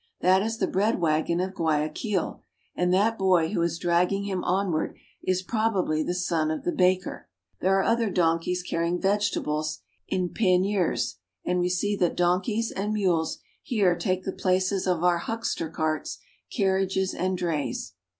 That is the bread wagon of Guayaquil, and that boy who is dragging him on ward is probably the son of the baker. There are other donkeys carrying vegetables in pan niers, and we see that donkeys and mules here take the places of our huck ster carts, carriages, and drays.